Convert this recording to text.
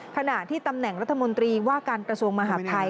ขณะที่ตำแหน่งรัฐมนตรีว่าการกระทรวงมหาดไทย